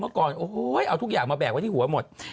ก่อนโอ้โหเอาทุกอย่างมาแบกไว้ที่หัวหมด